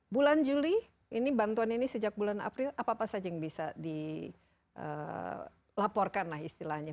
bulan juli ini bantuan ini sejak bulan april apa apa saja yang bisa dilaporkan lah istilahnya